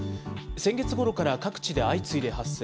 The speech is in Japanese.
先月ごろから各地で相次いで発生。